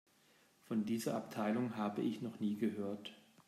Von dieser Abteilung habe ich noch nie gehört.